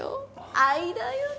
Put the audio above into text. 愛だよね